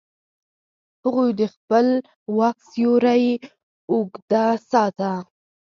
هغوی د خپل واک سیوری اوږده ساته.